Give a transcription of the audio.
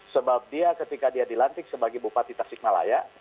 sebab dia ketika dia dilantik sebagai bupati tasik malaya